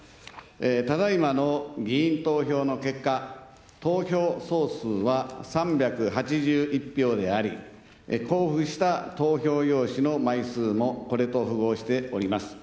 ただ今の議員投票の結果、投票総数は３８１票であり、交付した投票用紙の枚数も、これと符合しております。